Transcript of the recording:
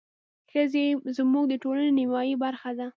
ښځې زموږ د ټولنې نيمايي برخه ده.